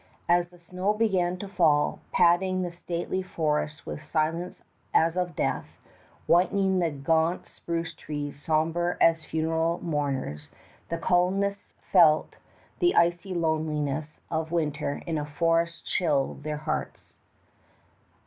As the snow began to fall, padding the stately forests with a silence as of death, whitening the gaunt spruce trees somber as funereal mourners, the colonists felt the icy loneliness of winter in a forest chill their hearts.